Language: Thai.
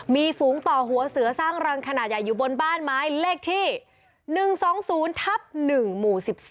มีฝูงต่อหัวเสือสร้างรังขนาดใหญ่อยู่บนบ้านไม้เลขที่๑๒๐ทับ๑หมู่๑๔